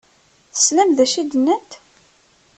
Teslam d acu i d-nnant?